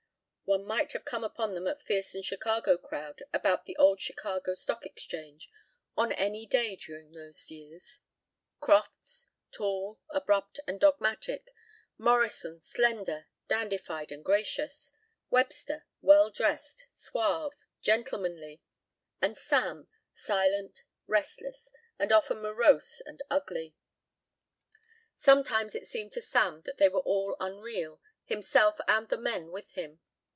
One might have come upon the McPherson Chicago crowd about the old Chicago stock exchange on any day during those years, Crofts, tall, abrupt, and dogmatic; Morrison, slender, dandified, and gracious; Webster, well dressed, suave, gentlemanly, and Sam, silent, restless, and often morose and ugly. Sometimes it seemed to Sam that they were all unreal, himself and the men with him.